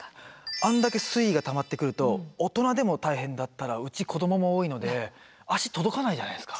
あんだけ水位がたまってくると大人でも大変だったらうち子どもも多いので足届かないじゃないですか。